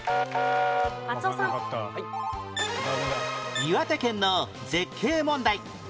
岩手県の絶景問題